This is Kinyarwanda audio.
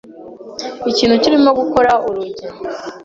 Ikintu kirimo gukora urugi.